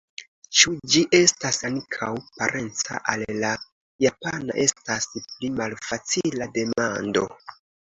Ĉu ĝi estas ankaŭ parenca al la japana estas pli malfacila demando.